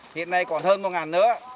hiện nay còn hơn một nữa